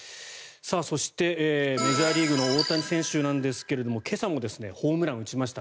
そして、メジャーリーグの大谷選手なんですが今朝もホームランを打ちました。